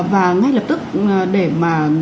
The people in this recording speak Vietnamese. và ngay lập tức để mà